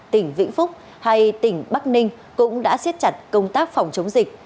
tỉnh vĩnh phúc hay tỉnh bắc ninh cũng đã siết chặt công tác phòng chống dịch